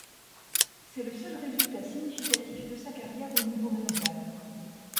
C'est le seul résultat significatif de sa carrière au niveau mondial.